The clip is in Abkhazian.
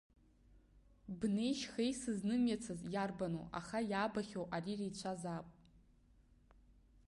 Бнеи шьхеи сызнымиацыз иарбану, аха иаабахьоу ари реицәазаап.